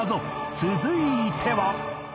続いては